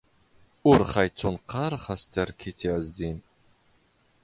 ⵓⵔ ⵅⴰ ⵉⵜⵜⵓⵏⵇⵇⴰⵔ ⵅⴰⵙ ⵜⴰⵔⵉⴽⵜ ⵉⵄⵣⵣⵉⵏ